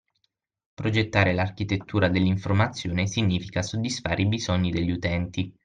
Progettare l’architettura dell’informazione significa soddisfare i bisogni degli utenti